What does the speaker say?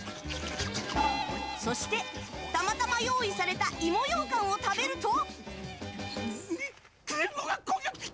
そして、たまたま用意された芋ようかんを食べると。